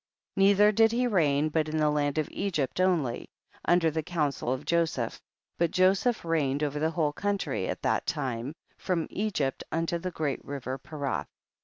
10. Neither did he reign but in the land of Egypt only, under the counsel of Joseph, but Joseph reign ed over the whole country at that time, from Egypt unto the great river Perath.